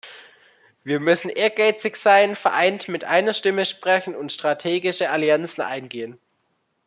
Wir müssen ehrgeizig sein, vereint mit einer Stimme sprechen und strategische Allianzen eingehen.